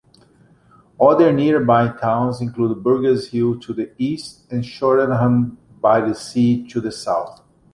Other nearby towns include Burgess Hill to the east and Shoreham-by-Sea to the south.